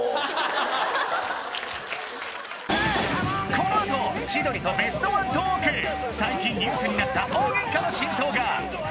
このあと千鳥とベストワントーク最近ニュースになった大ゲンカの真相が！